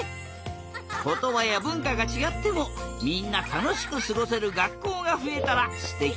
ことばやぶんかがちがってもみんなたのしくすごせるがっこうがふえたらすてきだな！